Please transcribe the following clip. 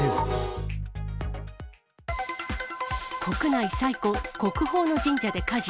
国内最古、国宝の神社で火事。